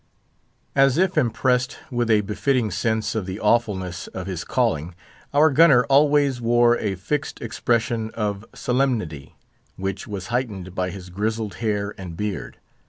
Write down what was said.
As if impressed with a befitting sense of the awfulness of his calling, our gunner always wore a fixed expression of solemnity, which was heightened by his grizzled hair and beard.